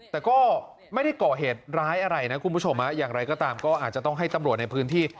แต่ก็ไม่ได้เกาะเหตุร้ายอะไรนะคุณผู้ชมอย่างไรก็ตามก็อาจจะต้องให้ตำรวจในพื้นที่